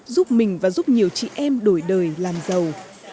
giúp mình và giúp nhiều chị em đổi đời làm giàu